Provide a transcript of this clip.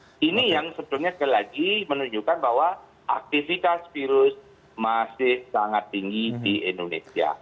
masih sangat tinggi di indonesia